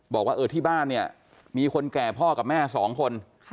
บอกว่าที่บ้านเนี่ยมีคนแก่พ่อกับแม่สองคน